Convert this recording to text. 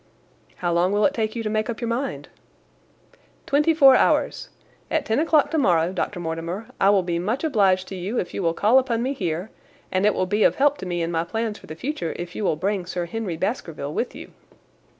"How long will it take you to make up your mind?" "Twenty four hours. At ten o'clock tomorrow, Dr. Mortimer, I will be much obliged to you if you will call upon me here, and it will be of help to me in my plans for the future if you will bring Sir Henry Baskerville with you."